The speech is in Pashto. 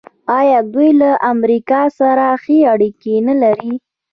آیا دوی له امریکا سره ښې اړیکې نلري؟